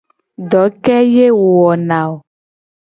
Do ke ye wo wona a o?